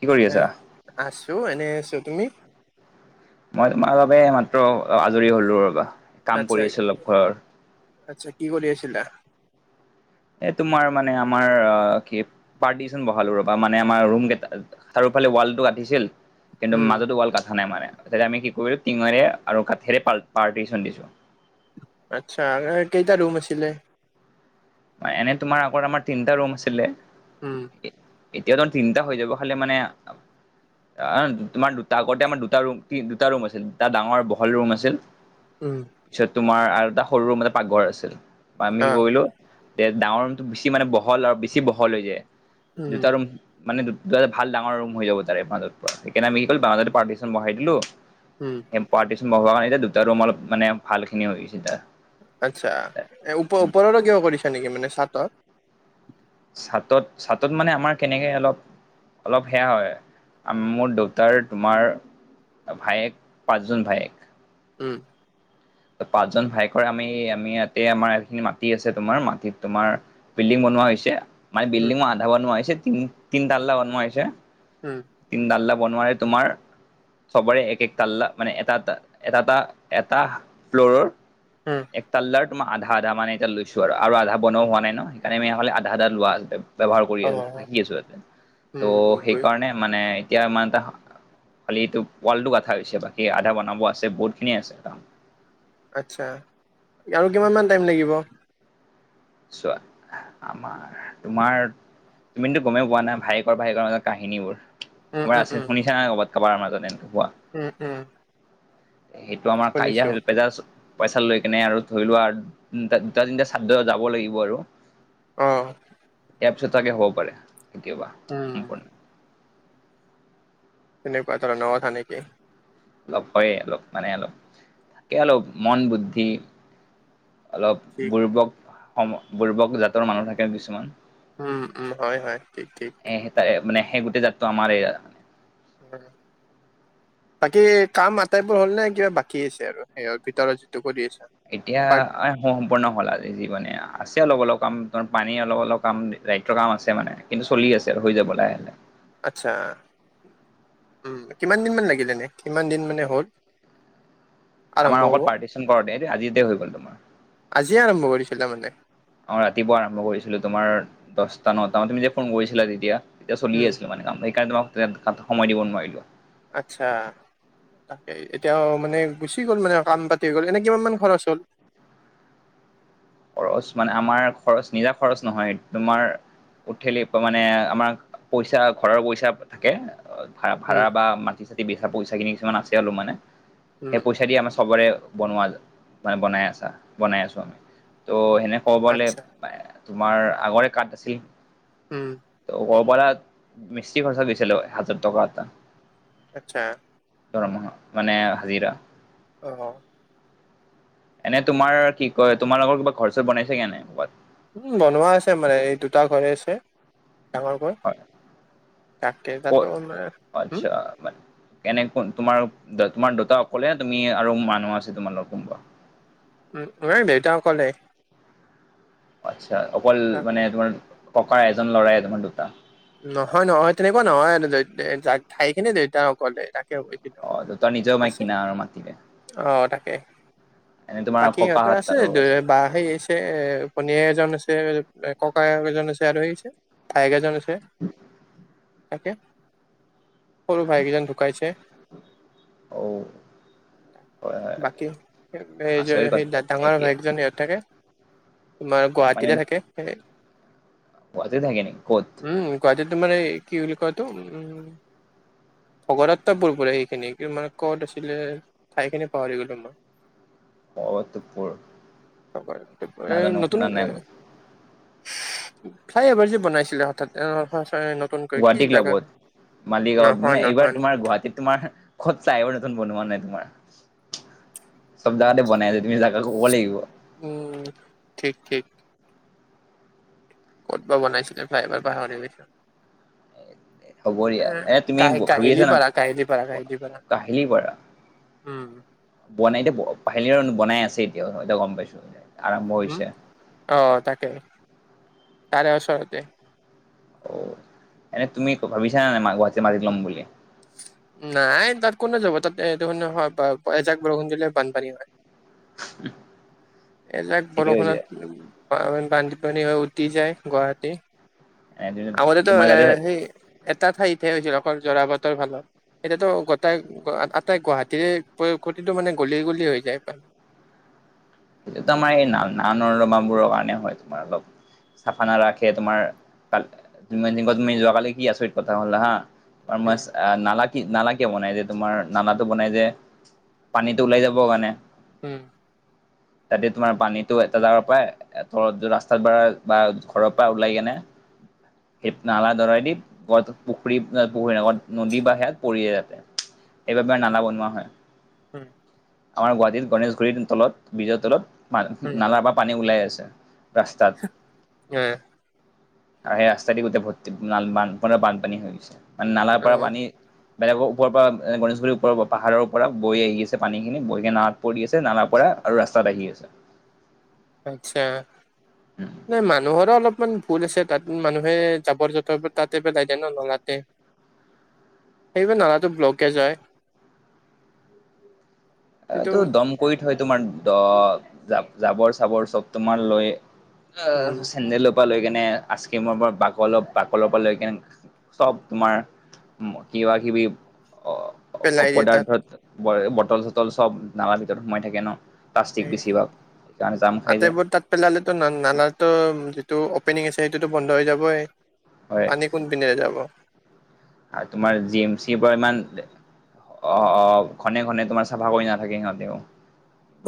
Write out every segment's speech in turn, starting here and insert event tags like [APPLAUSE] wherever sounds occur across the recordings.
কি কৰি এ আছা? আছো এনে আছো তুমি মই তোমাৰ বাবে মাত্ৰ আজৰি হলো ৰ'বা কাম আচ্ছা কৰি আছো অলপ ঘৰৰ আচ্ছা কি কৰি আছিলা এ তোমাৰ মানে আমাৰ আহ কি পাৰ্টিচন বহালো ৰ'বা মানে আমাৰ ৰুম কেইটা চাৰিওফালে ৱালটো গাথিছিল কিন্তু উম মাজতো ৱাল গাথা নাই মানে তাতে আমি কৰিলো টিঙৰে আৰু কাঠৰে পা পাৰ্টিচন দিছো আচ্ছা কেইটা ৰুম আছিলে এনে তোমাৰ আগৰ আমাৰ তিনটা ৰুম আছিলে উম এত এতিয়াতো তিনটা হৈ যাব খালি মানে হয় আ তোমাৰ দুটা আগতে আমাৰ দুটা ৰুম কি দুটা ৰুম আছিল দুটা ডাঙৰ বহল ৰুম আছিল উম পিছত তোমাৰ আৰু এটা সৰু ৰুম এটা পাকঘৰ আছিল আমি অ কি কৰিলোঁ তে ডাঙৰ ৰুমটো বেছি মানে বহল আৰু বেছি বহল হৈ যায় উম দুটা ৰুম মানে দুটা ভাল ডাঙৰ ৰুম হৈ যাব তাৰে মাজৰ পৰা সেইকাৰনে আমি কি কৰিলো মাজতে পাৰ্টিচন বঢ়াই দিলো উম সেই পাৰ্টিচন বহোৱা কাৰণে দুটা ৰুম অলপ মানে ভাল খিনি গছে দা আচ্ছা ওপ ওপৰৰো কিবা কৰিছা নেকি মানে চাতৰ চাটত চাটত মানে আমাৰ কেনেকে অলপ অলপ সেয়া হয় আ মোৰ দেউতাৰ তোমাৰ ভায়েক পাঁচজন ভায়েক উম পাঁচজন ভায়েকৰে আমি আমি ইয়াতে আমাৰ যিখিনি মাটি আছে তোমাৰ মাটিত তোমাৰ বিল্ডিং বনোৱা হৈছে মানে উম বিল্ডিংৰ আধা বনোৱা হৈছে তিনতাল্লা বনোৱা হৈছে উম তিনতাল্লা বনোৱাৰে তোমাৰ সবৰে এক এক তাল্লা মানে এটা এটা এটা এটা ফ্লৰৰ উম এক তাল্লাৰ তোমা আধা আধা মানে এতিয়া লৈছো আৰু আধা বনোৱা হোৱা নাই নহয় সেইকাৰণে হলে আধা আধা লোৱা ব্যৱহাৰ কৰি অ আছো থাকি আছো ইয়াতে উম ত' উম, বুজ- সেইকাৰণে মানে এতিয়া ইমান এটা খালি এইটো ওৱালটো গাথা হৈছে বাকী আধা বনাব আছে বহুত খিনিয়ে আছে কাম আচ্ছা আৰু কিমান মান টাইম লাগিব চোৱা আমাৰ তোমাৰ তুমিতো গমেও পোৱা নাই ভায়েকৰ ভায়েকৰ মাজৰ কাহিনীবোৰ উম কোনোবা উম আছে উম শুনিছা নাই ক'ৰবাত কাৰোবাৰ মাজত এনেকে হোৱা উম উম। সেইটো আমাৰ কাজিয়া শুনিছো হৈ পেজাছ। পইচা লৈ কেনে আৰু ধৰি লোৱা দুটা তিনিটা চাদ যাব লাগিব আৰু। অ। এপছ এটাকে হ'ব পাৰে তিয়াবা। উম। তেনেকুৱা ধৰণৰ কথা নেকি। অলপ হয়ে অলপ মানে অলপ তাকে অলপ মন্দ বুদ্ধি। অলপ ঠিক বুৰ্বক সম বুৰ্বক জাতৰ মানুহ থাকে কিছুমান। উম উম হয় হয় ঠিক ঠিক। সে তাৰে মানে সেই গোটেই জাতটো আমাৰে আৰু। [UNINTELLIGIBLE] বাকী কাম আটাইবোৰ হ'ল নে কিবা বাকী আছে আৰু সেইৰ ভিতৰত যিটো কৰি আছা। এতিয়া পাৰ্ট এ সম্পূৰ্ণ হ'ল আজি জি মানে আ আছে অলপ অলপ কাম পানী অলপ অলপ। কাম ৰাইটৰ কাম আছে মানে কিন্তু চলি আছে আৰু হৈ যাব লাহে। আচ্ছা। উম কিমান দিন মান লাগিল এনে কিমান দিন মানে হ'ল। আৰম্ভ আমাৰ হ'ব অকল পাৰ্টিচন কৰোতে এইটো আজিতে হৈ গ'ল তোমাৰ। আজিয়ে আৰম্ভ কৰিছিলা মানে। অ ৰাতিপুৱা আৰম্ভ কৰিছিলো তোমাৰ দহটা নটা মানত তুমি যে ফোন কৰিছিলা তেতিয়া। তেতিয়া চলিয়ে উম আছিলে মানে কাম সেইকাৰণে তোমাক সময় দিব নোৱাৰিলো। আচ্ছা। তাকে এতিয়াও মানে গুচি গ'ল মানে কাম পাতি গ'ল এনেই কিমানমান খৰচ হ'ল। খৰচ মানে আমাৰ খৰচ নিজা খৰচ নহয় তোমাৰ। উঠিল [INAUDIBLE] মানে আমাৰ পইচা ঘৰৰ পইচা থাকে। ভা উম ভাড়া বা মাটি চাটি বেচা পইচাখিনি কিছুমান আছে আৰু মানে। উম সেই পইচা দি আমাৰ সবৰে বনোৱা মানে বনাই আছা বনাই আছো। ত' সেনে ক'বগলে আচ্ছা তোমাৰ আগৰে কাঠ আছিল। উম। ত কব পাৰা মিস্ত্ৰী খৰচা দিছিলো হাজাৰ টকা এটা। আচ্ছা দৰমহা মানে হাজিৰা। অ হ। এনে তোমাৰ কি কয় তোমাৰ লোকৰ কিবা ঘৰ চৰ বনাইছেগে নাই কৰবাত। উম বনোৱা আছে মানে এই দুটা ঘৰে আছে ডাঙৰ ঘৰ। হয়। তাকে তাতো [INAUDIBLE] আচ্ছা মা। কেনেক তোমাৰ তোমাৰ দেতা অকলেে তুমি আৰু মানুহ আছে তোমাল লগ কোনোবা উম [INAUDIBLE] দেউতা অক'লে। আচ্ছা অকল তাকে মানে তোমাৰ ককা এজন ল'ৰাই তোমাৰ দুটা। নহয় নহয় তেনেকুৱা নহয় [INAUDIBLE] ঠাই খিনিয়ে দেউতা অকলে তাকে। [INAUDIBLE] অ তই নিজেও মাইক আছে কিনা আৰু মাতি দে। অ তাকে তোমাৰ বাকী ইহঁতৰ ককাহঁত আছে [INAUDIBLE] আৰু সেইছ। [INAUDIBLE] এ ভনীয়ে এজন আছে ককায়েক এজন আছে আৰু সেইছে ভায়েক এজন আছে। [UNINTELLIGIBLE] তাকে সৰু ভাইক এজন ঢুকাইছে। ঔ তাকে বাকী আচৰিত সেই কথা ডাঙৰ একে ভায়েকজন ইয়াত থাকে তোমাৰ মানে গুৱাহাটীতে থাকে সেই গুৱাহাটীত থাকে নেকি ক'ত? উম গুৱাহাটীতে তোমাৰ কি বুলি কয় এইটো? উ ভগদত্ত পুল পৰে সেইখিনি। কিন্তু মানে ক'ত আছিলে ঠাই খিনি পাহৰি গ'লো মই। অ', তোৰ [UNINTELLIGIBLE] নাজানো নতুন শুনা নাই এ মই ফ্লাই অভাৰ যে বনাইছিলে হঠাৎ নতুনকৈ কি গুৱাহাটীক জাগা ক্লাবত, মালিগাঁৱত নহয় মানে এইবাৰ নহয় তোমাৰ গুৱাহাটীত তোমাৰ ক'ত ফ্লাইঅভাৰ নতুন বনোৱা নাই তোমাৰ, চব জগাতে বনাই আছে তুমি জাগা ক'ব লাগিব। উম ঠিক ঠিক। ক'ত বা বনাইছিলে ফ্লাইঅভাৰ পাহৰি পাইছো। হ'ব অ দিয়া এ তুমি ভাবি আছা না কাহি-কা-কাহিলিপাৰ-কাহলিপাৰা-কাহিলিপাৰা। কাহিলী পাৰা উম। বনাই এতিয়া [UNINTELLIGIBLE] বনাই আছে এতিয়া এতিয়া গম পাইছো আৰম্ভ হম হৈছে। অ তাকে তাৰে ওচৰতে। অ এনে তুমি ভাবিছা নে নাই মা গুৱাহাটী মাটিত ল'ম বুলি? নাই তাত কোনে যাব তাত [UNINTELLIGIBLE] এজাক বৰষুণ দিলে বানপানী হয়। এইজাক ঠিকে হৈছে বৰষুণত বানপানী হৈ উতি যায় গুৱাহাটী। এনে তুমি আগতেতো তোমাৰ এ তাতে সেই এটা ঠাইতহে হৈছিল অকল জৰা বতৰ ফলত। এতিয়াতো গোটাই আটাই গুৱাহাটীৰে প্ৰতিটো মানে গলিয়ে গলিয়ে হৈ যায় পানী। [UNINTELLIGIBLE] সেই [UNINTELLIGIBLE] বোৰৰ কাৰণে হয় তোমাৰ অলপ চাফা নাৰাখে তোমাৰ, [UNINTELLIGIBLE] তুমি যোৱ কালি কি আছত কথা হ'লা হা উম [INAUDIBLE] নালা কি নালা কিয় বনাই যে তোমাৰ নালাটো বনাই যে পানীটো ওলাই যাব কাৰণে। উম। তাতে তোমাৰ পানীতো এটা জাগৰ পায় তলত ৰাস্তাত বাৰ বা ঘৰৰ পৰা ওলাই কেনে সেই নালা দৰাই দি ঘ পুখুৰী নহয় পুখুৰী নহয় নদী বা সিয়ত পৰিয়ে যাতে। সেইবাবে নালা বনোৱা হয়। হম। আমাৰ গুৱাহাটীত গণেশগুৰিৰ তলত বীজৰ তলত উম নালাৰ বা পানী ওলাই আছে। ৰাস্তাত। এ আৰু সেই ৰাস্তা দি গোটেই ভৰ্তি না বানপ বানপানী হৈ গৈছে, মানে নালাৰ অ পৰা পানী বেলেগৰ ওপৰ পৰা গনেশগুৰিৰ ওপৰ পাহাৰৰ পৰা বৈ আহি আছে পানীখিনি বৈ কিনে নালাত পৰি আছে নালাৰ পৰা আৰু ৰাস্তাত আহি আছে। আচ্ছা। নাই মানুহৰো অলপমান ভুল আছে তাত, মানুহে যাবৰ-জোথৰ তাতে পেলাই দে ন নলাতে। সেইবাবে নালাটো ব্লকেজ হয়। সেইটো এইটো দম কৰি থয় তোমাৰ দ জাবৰ-চাবৰ চব তোমাৰ লৈ উম চেন্দেলৰ পৰা লৈ কেনে আইচ ক্ৰীমৰ পৰা বাকলৰ বাকলৰ পৰা লৈ কেনে চব তোমাৰ কিবা কিবি অ পেলাই দিয়ে তাত অপদাৰ্থত উম বটল চটল চব নালাত ভিতৰত সোমাই থাকে ন। প্লাষ্টিক সেই বেছিভাগ সেইকাৰণে যাম খাই যায়। পেলালেটো নালাটো যিটো অপেনিং আছে সেইটো টো বন্ধ হৈ যাবই। হয় পানী কোনপিনে যাব? আৰু তোমাৰ জি এম চিৰ পৰা ইমান অঁ অঁ ঘনে ঘনে তোমাৰ চাফা কৰি নাথাকে সিহঁতেও।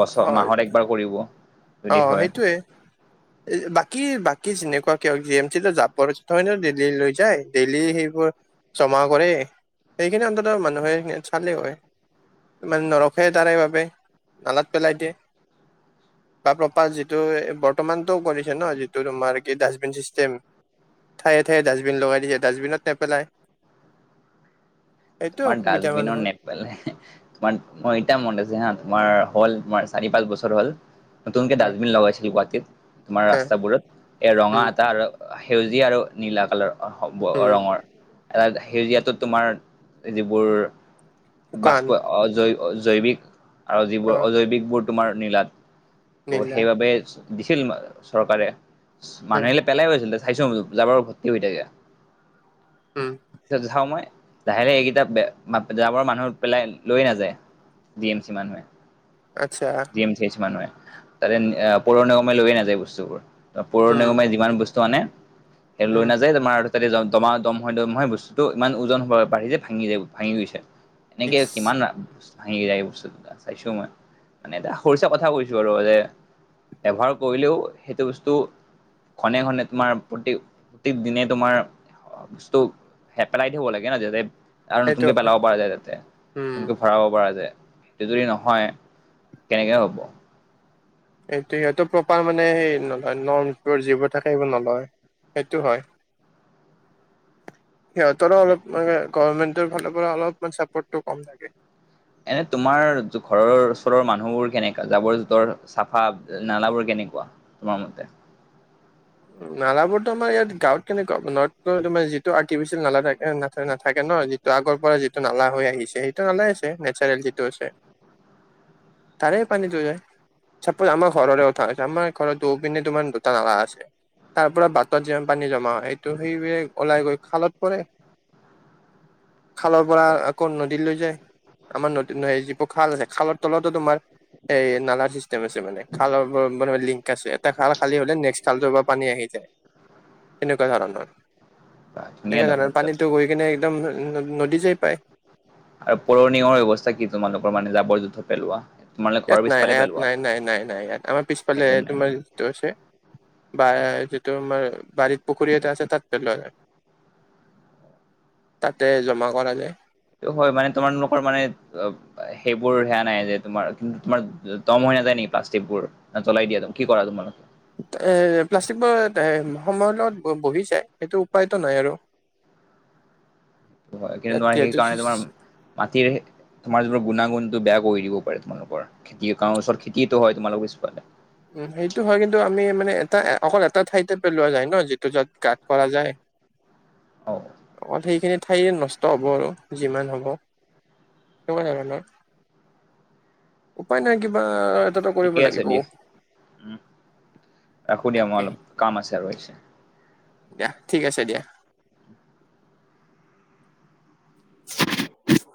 বছৰ মাহত একবাৰ কৰিব। যদি অঁ হয় সেইটোৱে। বাকী বাকী যেনেকুৱা কিয় জি এম চি যাবৰ যুথই দেইলি লৈ যায়। দেইলি সেইবোৰ জমা কৰে সেইখিনি অন্তত মানুহে চালে হয়। মানে নৰখে তাৰে বাবে নালাত পেলাই দিয়ে। বা প্ৰপাৰ যিটো বৰ্তমানতটো কৰিছে ন, যিটো তোমাৰ কি ডাষ্টবিন চিষ্টেম ঠায়ে ঠায়ে ডাষ্টবিন লগাই দিছে, ডাষ্টবিনত নেপেলায়। তোমাৰ ডাষ্টবিনত নে পেলাই তোমাৰ মই এতিয়াও মনত আছে হা, তোমাৰ হ'ল তোমাৰ চাৰি পাঁচ বছৰ হ'ল। নতুনকে হয় ডাষ্টবিন লগাইছিলো গুৱাহাটীত তোমাৰ হয় ৰাস্তাবোৰত। এ ৰঙা উম এটা আৰু সেউজিয়া আৰু নীলা কালাৰ হ'ব উম ৰঙৰ। এ সেউজীয়াটোত তোমাৰ যিবোৰ শুকান বাষ্প অজৈৱ জৈৱিক আৰু অ যিবোৰ অজৈৱিকবোৰ তোমাৰ নীলাত নীলা সেইবাবে দিছিল চৰকাৰে উম মানুহ আহিলে পেলাই গৈছিল চাইছো জাবৰ ভৰ্তি হৈ থাকে। উম তাত যাও মই লাহে লাহে এইকেইটা জাবৰ মানুহ পেলাই লৈ নাযায় জি এম চি মানুহে আচ্ছা জি এম চি এইচ মানুহে, তাতে পৌৰ নিগমে লৈয়ে নাযায় বস্তুবোৰ। পৌৰ উম নিগমে যিমান বস্তু আনে সেই লৈ উম নাযায় তোমাৰ। তাতে দমা দম হৈ দম হয় বস্তুটো ইমান ওজন হব বাঢ়ি যে ভাঙি যায় ভাঙি গৈছে। এনেকে ইচ কিমান ভাঙি যায় বস্তুটা চাইছো মই, মানে এটা সৰু চাই কথা কৈছো আৰু যে ব্যৱহাৰ কৰিলেও সেইটো বস্তু ঘনে ঘনে তোমাৰ প্ৰতি প্ৰতীক দিনে তোমাৰ অঁ বস্তু হে পেলাই থ'ব লাগে ন, যাতে আৰু সেইটো নতুনকে হয় পেলাব পৰা যায়, তাতে উম নতুনকে ভৰাব পৰা যায়। এই যদি নহয়, কেনেকৈ হ'ব? এইটো সিহঁত প্ৰপাৰ মানে নলয় নৰ্ম যিবোৰ থাকে সেইবোৰ নলয় সেইটো হয়। সিহঁতৰো অলপ মানে গভমেণ্টৰ ফালৰ পৰা অলপ চাপৰ্টটো কম থাকে। এনে তোমাৰ ঘৰৰ ওচৰৰ মানুহবোৰ কেনেকুৱা জাবৰ জোথৰ চাফা নালাবোৰ কেনেকুৱা? তোমাৰ মতে? নালাবোৰতো আমাৰ ইয়াত গাঁৱত তেনেকুৱা ন তোমাৰ যিটো আৰ্টিফিচিয়েল নালা থাকে না নাথাকে ন। ত আগৰ পৰা যিটো নালা হৈ আহিছে, সেইটো নালাই আছে নেচাৰেল যিটো আছে। তাৰে পানীটো যায়। চাপোজ আমাৰ ঘৰৰে উঠা আছে আমাৰ ঘৰত দৌৰ পিনে তোৰ দুটা নালা আছে। তাৰ পৰা বাটত যিমান পানী জমা হয়, সেইটো সেইবোৰে ওলাই গৈ খালত পৰে। খালৰ পৰা আকৌ নদী লৈ যায়। আমাৰ নতুন স যি বোৰ খাল আছে খালৰ তলতে তোমাৰ এই নালা চিষ্টেম আছে মানে, খালৰ লিংক আছে এটা খাল খালী হলে নেক্সট খালটো পানী আহি যায়, তেনেকুৱা ধৰণৰ। ধুনীয়া তেনেকাটো দেখোন পানীটো গৈ কিনে একদম ন নদী যে পায়। আৰু পৌৰ নিগম ব্যৱস্থা কি তোমালোকৰ মানে জাবৰ - জোথৰ পেলোৱা? তোমালোকে ঘৰৰ ইয়াত নাই পিছফালে ইয়াত পেলোৱা নাই নাই নাই নাই ইয়াত আমাৰ পিছফালে একো নাই তোমাৰ যিটো আছে বা যিটো আমাৰ বাৰীত পুখুৰী এটা আছে তাত পেলোৱা যায়। তাতে জমা কৰা যায়। সেইটো হয় মানে তোমালোকৰ মানে অ অ সেইবোৰ সেয়া নাই যে তোমাৰ কিন্তু তোমাৰ দম হৈ নাযায় নেকি প্লাষ্টিকবোৰ? না জ্বলাই দিয়া, কি কৰা তোমালোকে? এ প্লাষ্টিকবোৰ তে সময়ৰ লগত ব বহি যায় সেইটো উপায়তো নাই আৰু। [INAUDIBLE] হয় কিন্তু ইয়াত তোমাৰ সেইকাৰণে তোমাৰ যিহেতু মাটিৰ তোমাৰ যিবোৰ গুণাগুণটো বেয়া কৰি দিব পাৰে তোমালোকৰ খেতি কাৰণ ওচৰত খেতিটো হয় তোমালোকৰ পিছফালে। উম সেইটো হয় কিন্তু আমি মানে এটা অকল এটা ঠাইতে পেলোৱা যায় ন যিটো য'ত গাত কৰা যায় [INAUDIBLE] অ। অকল সেইখিনি ঠাই নষ্ট হ'ব আৰু যিমান হ'ব। [INAUDIBLE] উপায় নাই কিবা এটা ঠিকে আছে দিয়া, উম ৰাখো দিয়া মই তাকে অলপ কাম আছে আৰু একচ' দিয়া ঠিক আছে দিয়া। [INAUDIBLE]